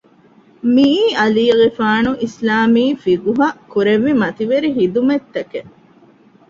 މިއީ ޢަލީގެފާނު އިސްލާމީ ފިޤުހަށް ކުރެއްވި މަތިވެރި ޚިދުމަތްތަކެއް